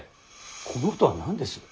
この音は何です。